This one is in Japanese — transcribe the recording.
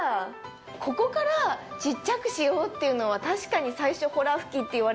ここからちっちゃくしようっていうのは確かに最初。